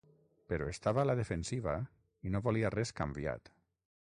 Però estava a la defensiva i no volia res canviat.